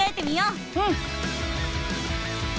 うん。